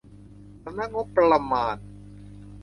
สำนักงบประมาณ